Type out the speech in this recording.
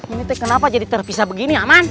ini kenapa jadi terpisah begini aman